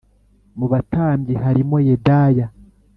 Mu batambyi harimo Yedaya